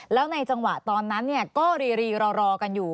แล้วในจังหวะตอนนั้นก็รีรอกันอยู่